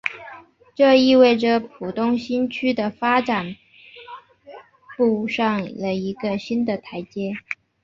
这意味着浦东新区的发展步上了一个新的台阶。